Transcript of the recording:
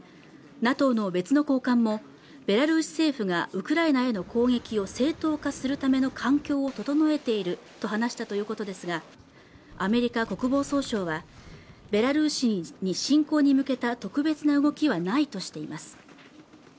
ＮＡＴＯの別の高官もベラルーシ政府がウクライナへの攻撃を正当化するための環境を整えていると話したということですがアメリカ国防総省はベラルーシに侵攻に向けた特別な動きはないとしています